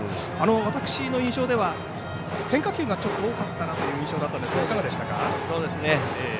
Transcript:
私の印象では変化球がちょっと多かったなという印象だったんですがいかがでしたか？